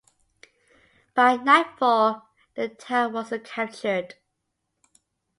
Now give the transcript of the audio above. By nightfall the town was captured.